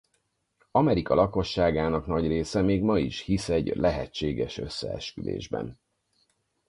Amerika lakosságának nagy része még ma is hisz egy lehetséges összeesküvésben.